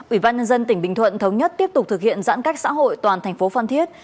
ủy ban nhân dân tỉnh bình thuận thống nhất tiếp tục thực hiện giãn cách xã hội toàn thành phố phan thiết